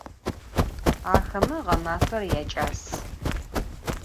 Axeme ğemafer yaç'as.